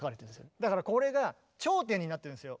だからこれが頂点になってるんですよ